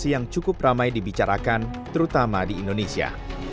yang cukup ramai dibicarakan terutama di indonesia